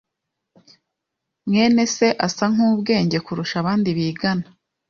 mwene se asa nkubwenge kurusha abandi bigana.